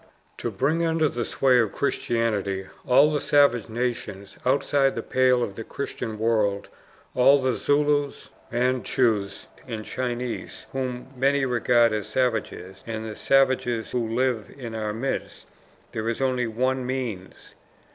To bring under the sway of Christianity all the savage nations outside the pale of the Christian world all the Zulus, Mandchoos, and Chinese, whom many regard as savages and the savages who live in our midst, there is only ONE MEANS.